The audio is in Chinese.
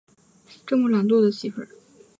这么懒惰的媳妇